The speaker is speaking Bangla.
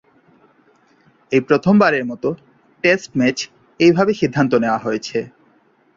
এই প্রথমবারের মত টেস্ট ম্যাচ এইভাবে সিদ্ধান্ত নেওয়া হয়েছে।